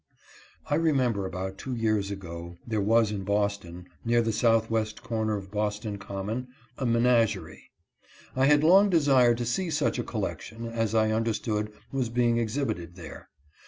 '" I remember about two years ago there was in Boston, near the southwest corner of Boston Common, a menag erie. I had long desired to see such a collection as I understood was being exhibited there.